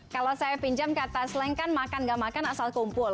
kalau saya pinjam kata slang kan makan gak makan asal kumpul